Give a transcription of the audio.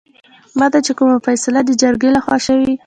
ماته چې کومه فيصله دجرګې لخوا شوې